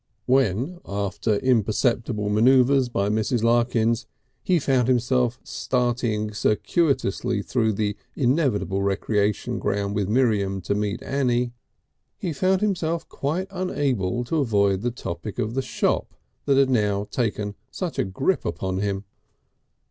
II When, after imperceptible manoeuvres by Mrs. Larkins, he found himself starting circuitously through the inevitable recreation ground with Miriam to meet Annie, he found himself quite unable to avoid the topic of the shop that had now taken such a grip upon him.